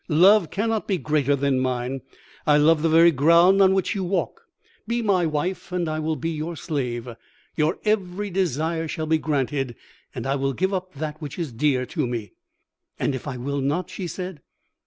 'Love cannot be greater than mine. I love the very ground on which you walk. Be my wife and I will be your slave. Your every desire shall be granted, and I will give up that which is dear to me.' "'And if I will not?' she said.